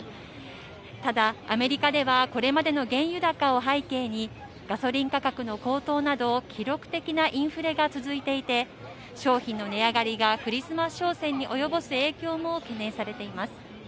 ただ、アメリカではこれまでの原油高を背景に、ガソリン価格の高騰など、記録的なインフレが続いていて、商品の値上がりがクリスマス商戦に及ぼす影響も懸念されています。